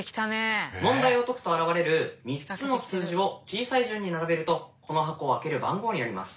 問題を解くと現れる３つの数字を小さい順に並べるとこの箱を開ける番号になります。